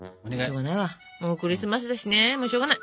もうクリスマスだしねもうしょうがない。